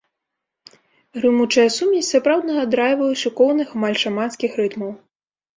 Грымучая сумесь сапраўднага драйву і шыкоўных, амаль шаманскіх рытмаў.